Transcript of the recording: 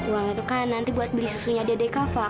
uangnya itu kan nanti buat beli susunya dedek kava